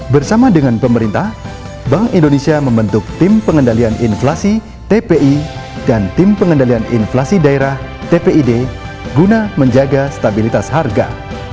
bersama dengan pemerintah bank indonesia membentuk tim pengendalian inflasi tpi dan tim pengendalian inflasi daerah tpid guna menjaga stabilitas harga